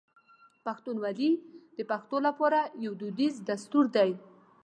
پښتونولي د پښتنو لپاره یو دودیز دستور دی.